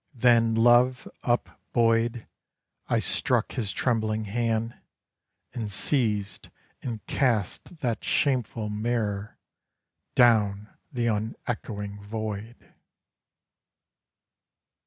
Then love upbuoyed I struck his trembling hand, and seized and cast That shameful mirror down the unechoing void.